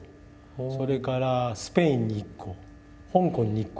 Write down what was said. それからスペインに１個香港に１個。